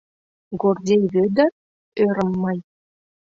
— Гордей Вӧдыр? — ӧрым мый.